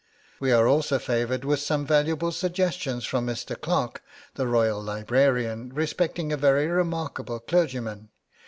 We are also favoured with some valuable suggestions from Mr. Clarke, the Royal librarian, respecting a very remarkable clergyman.